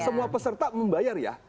semua peserta membayar ya